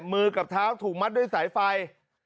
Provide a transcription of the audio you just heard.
มือกับเท้าถูกมัดด้วยสายไฟ